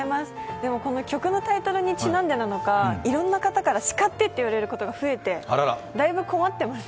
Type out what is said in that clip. でもこの曲のタイトルにちなんだのかいろんな方から「叱って」って言われることが多くてだいぶ困ってます。